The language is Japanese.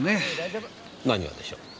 何がでしょう？